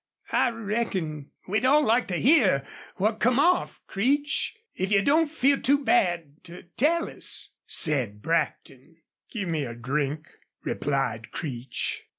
"I reckon we'd all like to hear what come off, Creech, if you don't feel too bad to tell us," said Brackton. "Gimme a drink," replied Creech.